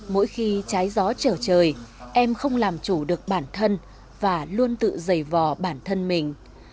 mỗi khi trái gió trở trời em không làm chủ được bản thân và luôn tự dày vò bản thân mình